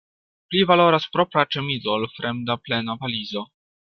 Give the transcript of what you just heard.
Pli valoras propra ĉemizo, ol fremda plena valizo.